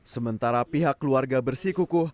sementara pihak keluarga bersikukuh